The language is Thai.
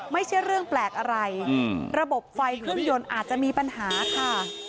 ไม่ใช่เรื่องแปลกอะไรระบบไฟเครื่องยนต์อาจจะมีปัญหาค่ะ